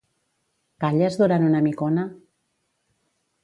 Calles durant una micona?